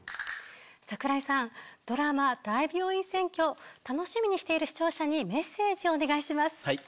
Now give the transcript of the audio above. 櫻井さんドラマ『大病院占拠』楽しみにしている視聴者にメッセージをお願いします。